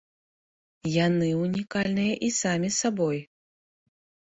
Яны ўнікальныя і самі сабой.